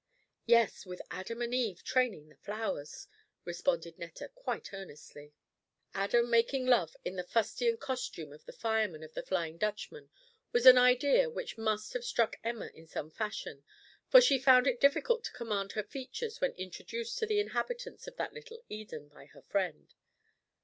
"Yes, with Adam and Eve training the flowers," responded Netta quite earnestly. Adam making love in the fustian costume of the fireman of the "Flying Dutchman" was an idea which must have struck Emma in some fashion, for she found it difficult to command her features when introduced to the inhabitants of that little Eden by her friend.